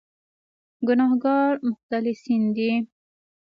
ګناهکار مختلسین دي.